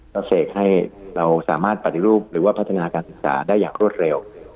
ก็เสกให้เราสามารถปฏิรูปหรือว่าพัฒนาการศึกษาได้อย่างรวดเร็ว